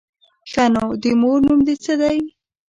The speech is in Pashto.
_ښه نو، د مور نوم دې څه دی؟